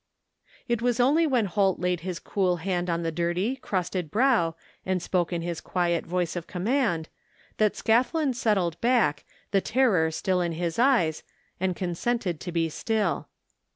It was only when Holt laid his cool hand on the dirty, crusted brow and spoke in his quiet voice of com mand, that Scathlin settled back, the terror still in his eyes, and consented to be still.